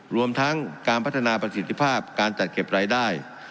รวมทั้งการพัฒนาประสิทธิภาพการจัดเก็บรายได้